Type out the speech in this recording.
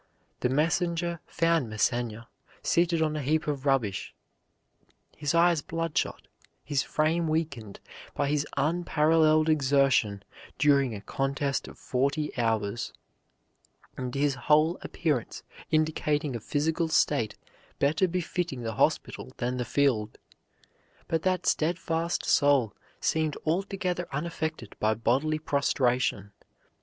The messenger found Masséna seated on a heap of rubbish, his eyes bloodshot, his frame weakened by his unparalleled exertions during a contest of forty hours, and his whole appearance indicating a physical state better befitting the hospital than the field. But that steadfast soul seemed altogether unaffected by bodily prostration.